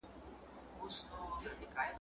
د بوډۍ ټال به مي په سترګو کي وي `